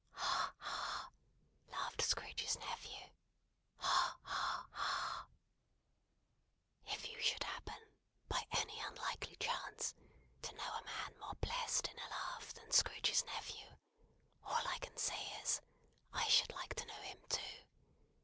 "Ha, ha!" laughed Scrooge's nephew. "Ha, ha, ha!" If you should happen, by any unlikely chance, to know a man more blest in a laugh than Scrooge's nephew, all I can say is, I should like to know him too.